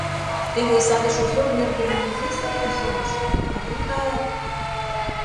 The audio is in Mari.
— Теве саде шофер нерген кузе сырен шонышым, а тудо...